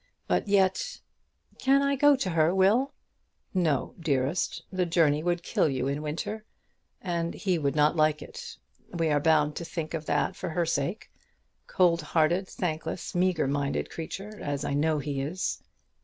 But yet " "Can I go to her, Will?" "No, dearest. The journey would kill you in winter. And he would not like it. We are bound to think of that for her sake, cold hearted, thankless, meagre minded creature as I know he is."